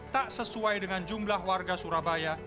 tak sesuai dengan jumlah warga surabaya